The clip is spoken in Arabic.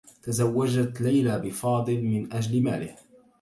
تزوّجت ليلى بفاضل من أجل ماله.